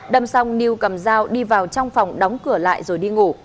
đâm xong lưu cầm dao đi vào trong phòng đóng cửa lại rồi đi ngủ